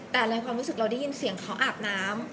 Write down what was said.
แต่ในความรู้สึกเราได้ยินเสียงเขาอาบน้ำ